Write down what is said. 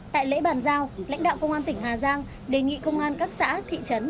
tại lễ bàn giao lãnh đạo công an tỉnh hà giang đề nghị công an các xã thị trấn